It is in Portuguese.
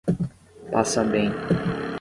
Passabém